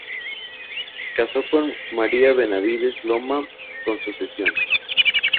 Casó con Mariana Benavides Loma, con sucesión.